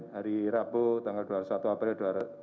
hari rabu tanggal dua puluh satu april dua ribu dua puluh